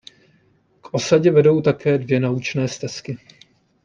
K osadě vedou také dvě naučné stezky.